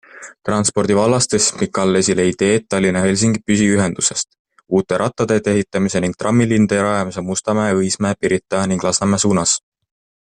Transpordi vallas tõstis Michal esile ideed Tallinna-Helsingi püsiühendusest, uute rattateede ehitamise ning trammiliinide rajamise Mustamäe, Õismäe, Pirita ning Lasnamäe suunas.